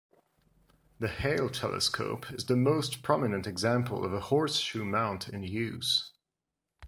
The Hale telescope is the most prominent example of a Horseshoe mount in use.